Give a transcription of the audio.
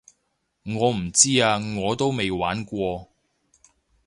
我唔知啊我都未玩過